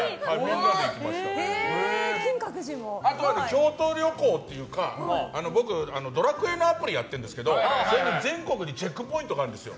京都旅行というか僕、「ドラクエ」のアプリやっているんですけど全国にチェックポイントがあるんですよ。